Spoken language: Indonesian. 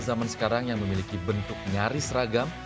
zaman sekarang yang memiliki bentuk nyaris ragam